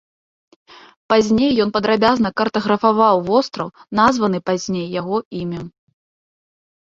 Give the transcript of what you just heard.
Пазней ён падрабязна картаграфаваў востраў, названы пазней яго імем.